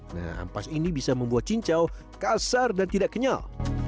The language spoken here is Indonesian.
nah ampas ini bisa membuat cincau kasar dan tidak kenyal